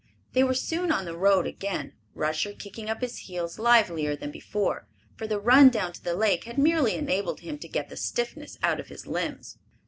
They were soon on the road again, Rusher kicking up his heels livelier than before, for the run down to the lake had merely enabled him to get the stiffness out of his limbs.